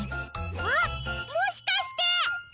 あっもしかして！